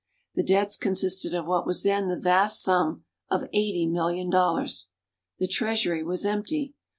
The debts consisted of what was then the vast sum of eighty million dollars. The treasury was empty.